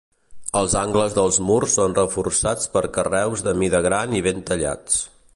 Els angles dels murs són reforçats per carreus de mida gran i ben tallats.